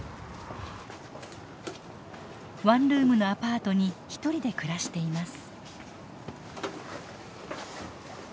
ワンルームのアパートに一人で暮らしています。